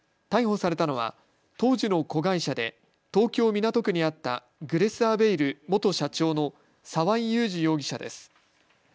逮捕されたのは当時の子会社で東京港区にあったグレスアベイル元社長の澤井祐史容疑者です。